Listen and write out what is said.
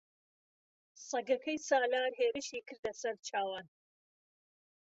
سەگەکەی سالار هێرشی کردە سەر چاوان.